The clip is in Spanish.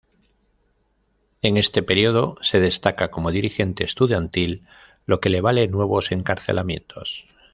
En este período se destaca como dirigente estudiantil, lo que le vale nuevos encarcelamientos.